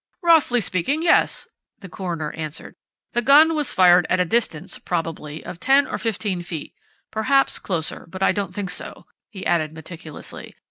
"Roughly speaking yes," the coroner answered. "The gun was fired at a distance, probably, of ten or fifteen feet perhaps closer, but I don't think so," he amended meticulously.